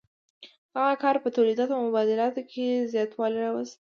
دغه کار په تولیداتو او مبادلو کې زیاتوالی راوست.